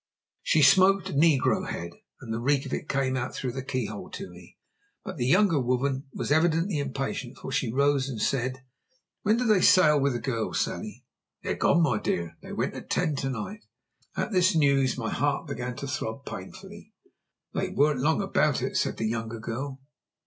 She smoked negro head, and the reek of it came out through the keyhole to me. But the younger woman was evidently impatient, for she rose and said: "When do they sail with the girl, Sally?" "They're gone, my dear. They went at ten to night." At this news my heart began to throb painfully. "They weren't long about it," said the younger girl.